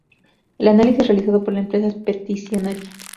el análisis realizado por la empresa peticionaria